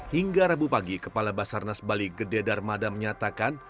hingga rabu pagi kepala basarnas bali gede darmada menyatakan